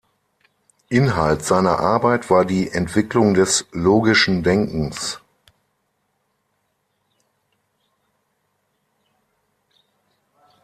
Inhalt seiner Arbeit war die Entwicklung des logischen Denkens.